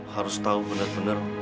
harus tahu benar benar